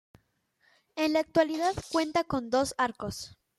En la actualidad cuenta con dos arcos.